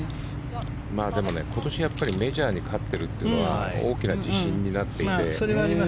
でも、今年メジャーに勝ってるというのは大きな自信になっていて。